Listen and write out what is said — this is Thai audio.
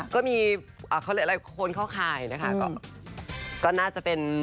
ก็มีคนเข้าข่ายนะคะก็น่าจะเป็น